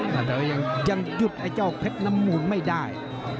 แต่ว่ายังหยุดไอ้เจ้าเพชรน้ำมูลไม่ได้